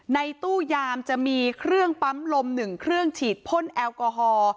ในตู้ยามจะมีเครื่องปั๊มลม๑เครื่องฉีดพ่นแอลกอฮอล์